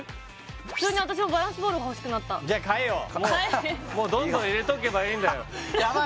普通に私もバランスボールが欲しくなったじゃ買えよもうどんどん入れとけばいいヤバい